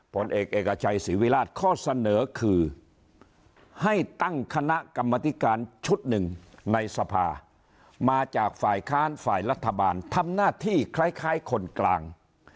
ผลเอกเอกชัยศรีวิราชข้อเสนอคือให้ตั้งคณะกรรมธิการชุดหนึ่งในสภามาจากฝ่ายค้านฝ่ายรัฐบาลทำหน้าที่คล้ายคนกลาง